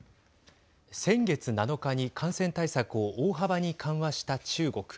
先月７日に感染対策を大幅に緩和した中国。